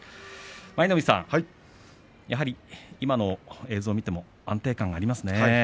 舞の海さん、やはり今の映像を見ても安定感がありますね。